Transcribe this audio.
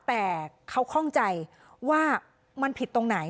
แต่เขาข้องใจว่ามันผิดตรงไหน